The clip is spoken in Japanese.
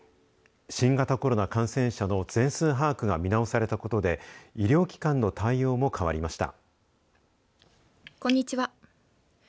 新型コロナ感染者の全数把握が見直されたことで医療機関の対応も変わりました。